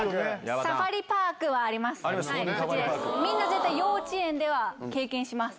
みんな絶対幼稚園では経験します